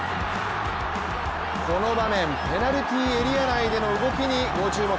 この場面、ペナルティーエリア内での動きにご注目。